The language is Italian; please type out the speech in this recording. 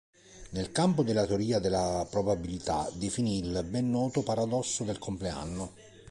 Nel campo della teoria della probabilità definì il ben noto Paradosso del compleanno.